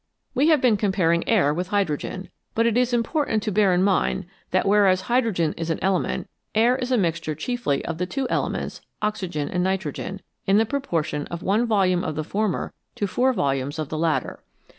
We have been comparing air with hydrogen, but it is important to bear in mind that whereas hydrogen is an element, air is a mixture chiefly of the two elements, oxygen and nitrogen, in the proportion of one volume of the former to four volumes of the latter.